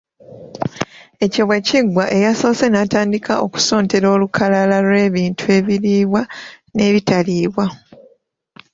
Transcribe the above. Ekyo bwe kiggwa eyasoose n’atandika okusontera olukalala lw’ebintu ebiriibwa n’ebitaliibwa